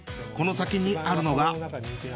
この先にあるのが。